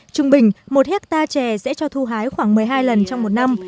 trung bình một hectare chè sẽ cho thu hái khoảng một mươi hai lần trong một năm